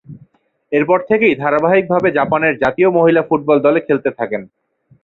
এরপর থেকেই ধারাবাহিকভাবে জাপানের জাতীয় মহিলা ফুটবল দলে খেলতে থাকেন।